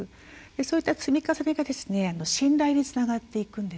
そういった積み重ねが信頼につながっていくんですよね。